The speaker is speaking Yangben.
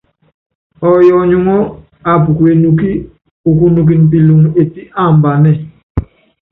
Ɔyɔ ɔnyuŋɔ́ aap ku enukí ukunɔkɛn pilɔŋ epí aambanɛ.